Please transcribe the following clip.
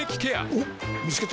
おっ見つけた。